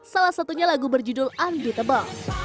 salah satunya lagu berjudul unditable